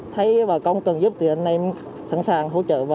thấy bà con cần giúp thì anh em sẵn sàng hỗ trợ